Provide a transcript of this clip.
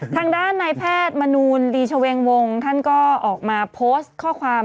ทางด้านนายแพทย์มนูลลีชเวงวงท่านก็ออกมาโพสต์ข้อความ